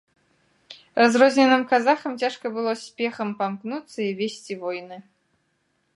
Разрозненым казахам цяжка было спехам памкнуцца і весці войны.